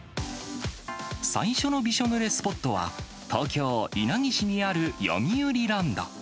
最初のびしょぬれスポットは、東京・稲城市にあるよみうりランド。